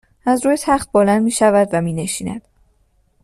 از روی تخت بلند میشود و مینشیند